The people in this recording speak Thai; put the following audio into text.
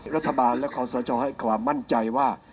รัฐบาลและคอสชให้ความมั่นใจว่า